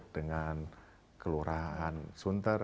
dengan kelurahan sunter